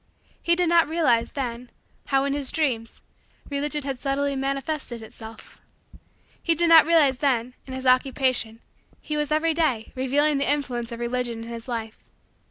He did not realize, then, how, in his Dreams, Religion had subtly manifested itself. He did not realize, that, in his Occupation, he was, every day, revealing the influence of Religion in his life.